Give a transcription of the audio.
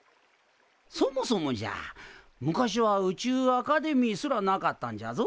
そもそもじゃ昔は宇宙アカデミーすらなかったんじゃぞ。